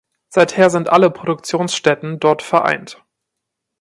Seither sind alle Produktionsstätten dort vereint.